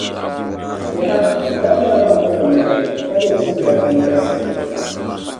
Yaha! Bɛ daa nyɛla ban kuli bi milgi ka be tuumbiɛri din galsi ni.